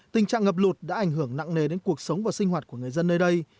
tình trạng ngập lụt đã ảnh hưởng nặng nề đến cuộc sống và sinh hoạt của người dân nơi đây